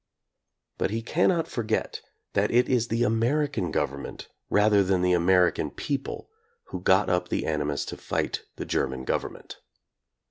But he cannot forget that it is the American govern ment rather than the American people who got up the animus to fight the German government.